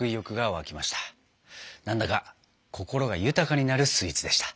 何だか心が豊かになるスイーツでした。